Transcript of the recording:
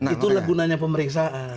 itulah gunanya pemeriksaan